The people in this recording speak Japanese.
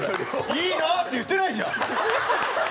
「いいな」って言ってないじゃん。